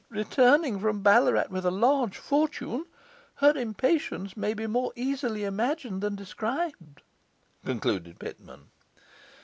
'... returning from Ballarat with a large fortune, her impatience may be more easily imagined than described,' concluded Pitman.